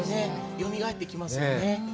よみがえってきますよね。